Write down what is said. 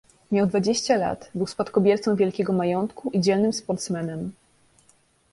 "Miał dwadzieścia lat, był spadkobiercą wielkiego majątku i dzielnym sportsmenem."